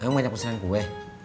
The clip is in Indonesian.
banyak pesanan kue